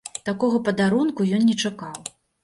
Такога падарунку ён не чакаў.